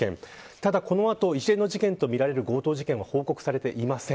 ただ、この後一連の事件とみられる事件は報告されていません。